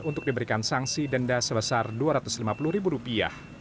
untuk diberikan sanksi denda sebesar dua ratus lima puluh ribu rupiah